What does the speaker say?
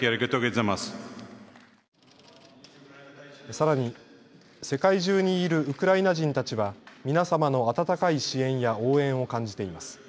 さらに、世界中にいるウクライナ人たちは皆様の温かい支援や応援を感じています。